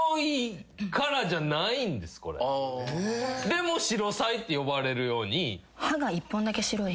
でもシロサイって呼ばれるように。